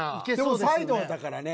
でもサイドだからね。